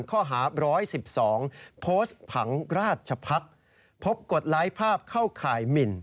ข้อหา๑๑๒โพสต์ผังราชพักษ์พบกดไลค์ภาพเข้าข่ายหมิน